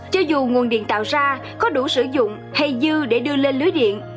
cho dù nguồn điện tạo ra có đủ sử dụng hay dư để đưa lên lưới điện